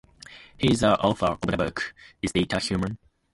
He is the author of the book, Is Data Human?